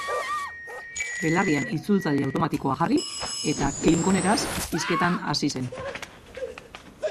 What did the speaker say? Belarrian itzultzaile automatikoa jarri eta klingoneraz hizketan hasi zen.